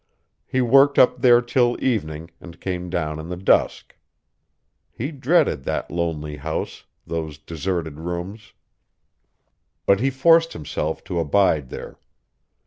He worked up there till evening and came down in the dusk. He dreaded that lonely house, those deserted rooms. But he forced himself to abide there.